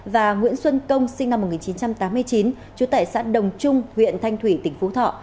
và nguyễn xuân công sinh năm một nghìn chín trăm tám mươi chín trú tại xã đồng trung huyện thanh thủy tỉnh phú thọ